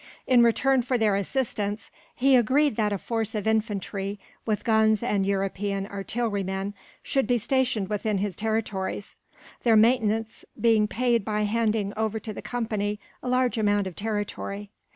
In return for their assistance, he agreed that a force of infantry, with guns and European artillerymen, should be stationed within his territories; their maintenance being paid by handing over to the Company a large amount of territory.